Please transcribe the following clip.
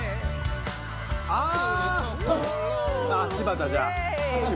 「ああ！」